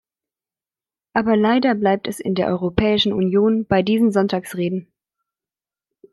Aber leider bleibt es in der Europäischen Union bei diesen Sonntagsreden.